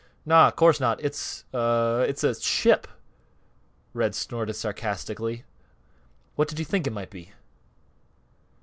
"Naw; course not! It's a it's a ship!" Red snorted sarcastically. "What did you think it might be?"